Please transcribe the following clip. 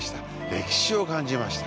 歴史を感じました。